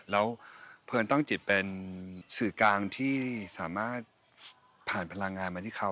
แล้วเพลินตั้งจิตเป็นสื่อกลางที่สามารถผ่านพลังงานมาที่เขา